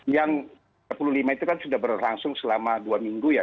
yang tiga puluh lima itu kan sudah berlangsung selama dua minggu ya